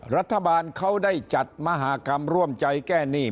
รัฐบาลเขาได้จัดมหากรรมร่วมใจแก้หนี้